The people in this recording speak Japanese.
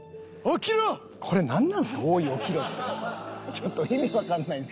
「ちょっと意味わかんないんですけど」